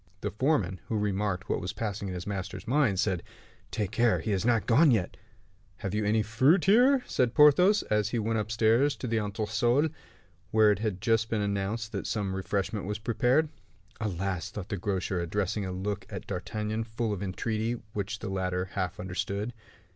The foreman, who remarked what was passing in his master's mind, said, "Take care; he is not gone yet." "Have you any fruit here?" said Porthos, as he went upstairs to the entresol, where it had just been announced that some refreshment was prepared. "Alas!" thought the grocer, addressing a look at D'Artagnan full of entreaty, which the latter half understood.